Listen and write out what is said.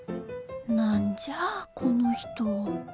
何じゃあこの人？